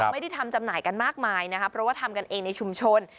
ไม่ได้ทำจำหน่ายกันมากมายนะคะเพราะว่าทำกันเองในชุมชน